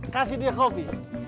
kasih dia kopi